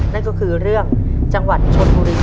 นั่นก็คือเรื่องจังหวัดชนบุรี